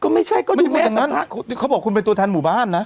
ก็ไม่ใช่ก็ดูแม่สัมภาษณ์เขาบอกคุณเป็นตัวแทนหมู่บ้านนะ